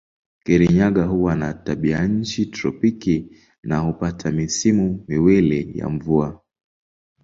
Kirinyaga huwa na tabianchi tropiki na hupata misimu miwili ya mvua.